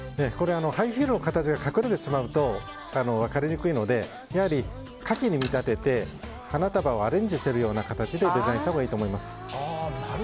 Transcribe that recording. これはハイヒールの形が隠れてしまうと分かりにくいので花器に見立てて花束をアレンジしているような形でデザインしたほうがいいと思います。